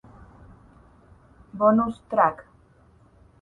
Bonus Track